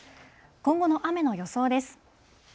今後の雨の予想です。